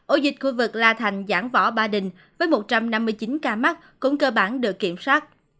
ổ dịch khu vực la thành giảng võ ba đình với một trăm năm mươi chín ca mắc cũng cơ bản được kiểm soát